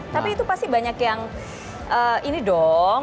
tapi itu pasti banyak yang ini dong